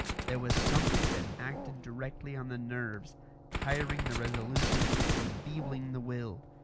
There was something that acted directly on the nerves, tiring the resolution, enfeebling the will.